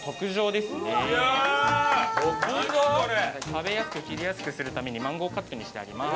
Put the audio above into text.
食べやすく切りやすくするためにマンゴーカットにしてあります。